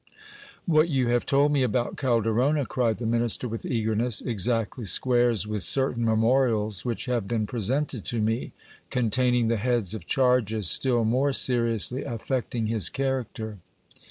What you have told me about Calderona, cried the minister with eagerness, exactly squares with certain memorials which have been presented to me, con taining the heads of charges still more seriously affecting his character.